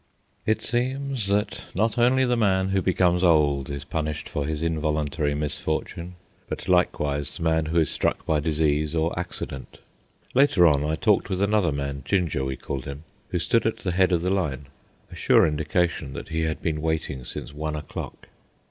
It seems that not only the man who becomes old is punished for his involuntary misfortune, but likewise the man who is struck by disease or accident. Later on, I talked with another man—"Ginger" we called him—who stood at the head of the line—a sure indication that he had been waiting since one o'clock.